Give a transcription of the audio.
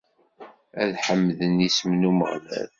Ad ḥemden isem n Umeɣlal!